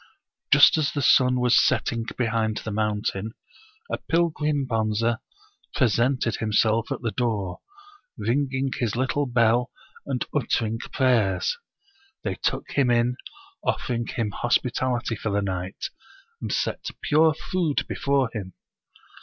Just as the sun was setting behind the mountain, a pil grim Bonze presented himself at the door, ringing his little bell and uttering prayers. They took him in, offering him hospitality for the night, and set pure food before him.